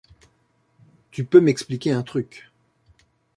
Tu peux m'expliquer un truc.